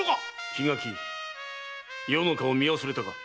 桧垣余の顔を見忘れたか。